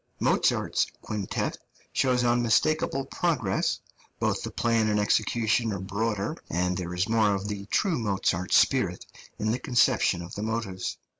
Mozart's quintet shows unmistakable progress; both the plan and execution are broader, and there is more of the true Mozart spirit in the conception of the motives.